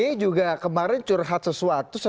pdi juga kemarin curhat sesuatu